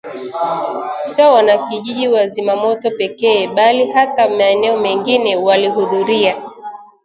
Sio wanakijiji wa Zimamoto pekee bali hata maeneo mengine walihudhuria